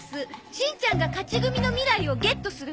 しんちゃんが勝ち組の未来をゲットするためよ。